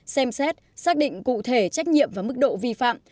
xem xét xác định cụ thể trách nhiệm và mức độ vi phạm